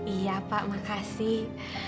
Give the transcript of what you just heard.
iya pak makasih